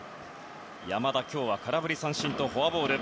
山田、今日は空振り三振とフォアボール。